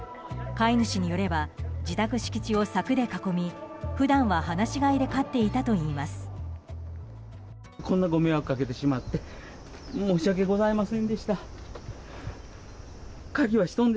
飼い主によれば自宅敷地を柵で囲み普段は放し飼いで飼っていたといいます。